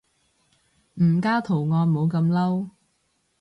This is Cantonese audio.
唔加圖案冇咁嬲